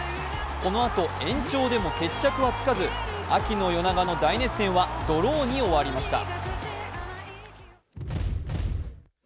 このあと延長でも決着はつかず秋の夜長の大熱戦はドローに終わりました。